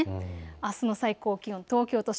あすの最高気温、東京都心